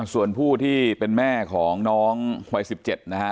ส่วนผู้ที่เป็นแม่ของน้องวัย๑๗นะฮะ